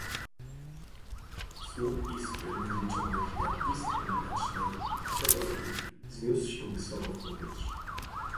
"Słup iskier niezliczonych, jak iskry mlecznej drogi, wzniósł, się wysoko w powietrze."